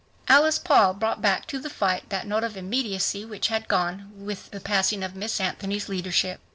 Alice Paul brought back to the fight that note of immediacy which had gone with the passing of Miss Anthony's leadership.